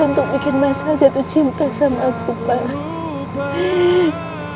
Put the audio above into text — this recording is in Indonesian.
untuk bikin mas al jatuh cinta sama aku pak